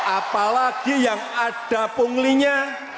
apalagi yang ada punglinya